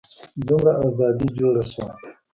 دومره ازادي جوړه شوه.